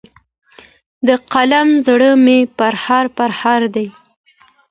د قلم زړه مي پرهار پرهار دی